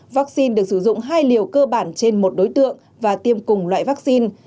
vaccine được sử dụng hai liều cơ bản trên một đối tượng và tiêm cùng loại vaccine